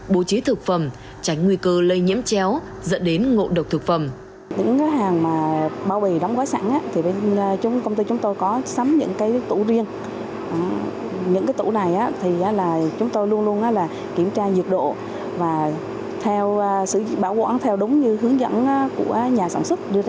bố trí thực phẩm tránh nguy cơ lây nhiễm chéo dẫn đến ngộ độc thực phẩm